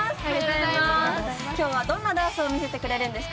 今日はどんなダンスを見せてくれるんですか？